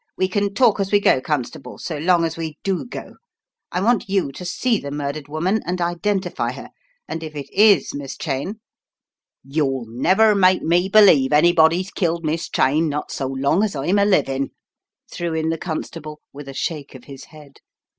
We can talk as we go, constable, so long as we do go. I want you to see the murdered woman and identify her, and if it is Miss Cheyne " "You'll never make me believe anybody's killed Miss Cheyne not so long as I'm a livin', " threw in the constable with a shake of his head.